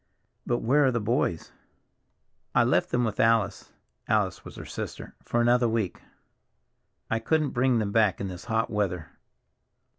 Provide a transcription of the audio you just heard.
"But where are the boys?" "I left them with Alice"—Alice was her sister—"for another week. I couldn't bring them back in this hot weather."